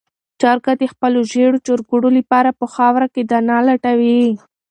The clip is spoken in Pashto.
چرګه د خپلو ژېړو چرګوړو لپاره په خاوره کې دانه لټوي.